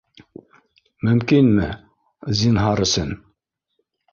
Мөмкинме? Зинһар өсөн.